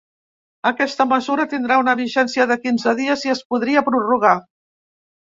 Aquesta mesura tindrà una vigència de quinze dies i es podria prorrogar.